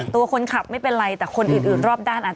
ตัวคนขับไม่เป็นไรแต่คนอื่นรอบด้าน